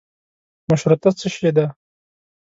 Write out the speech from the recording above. مشروطه څشي ده.